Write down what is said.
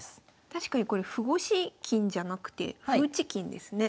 確かにこれ歩越し金じゃなくて歩内金ですね。